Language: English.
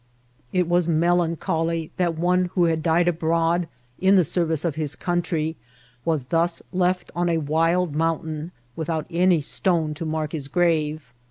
It was melancholy, that one who had died abroad in the service of his country was thus left on a wild mountain, without any stone to mark his grave.